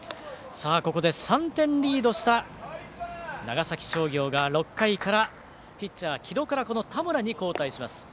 ここで３点リードした長崎商業が６回からピッチャー、城戸から田村に交代します。